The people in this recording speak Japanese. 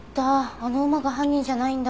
あの馬が犯人じゃないんだ。